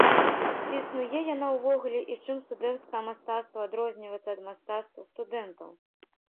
Ці існуе яна ўвогуле, і чым студэнцкае мастацтва адрозніваецца ад мастацтва студэнтаў?